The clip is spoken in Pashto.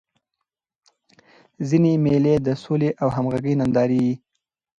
ځيني مېلې د سولي او همږغۍ نندارې يي.